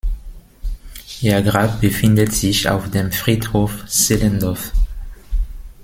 Ihr Grab befindet sich auf dem Friedhof Zehlendorf.